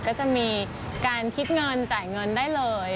ก็จะมีการคิดเงินจ่ายเงินได้เลย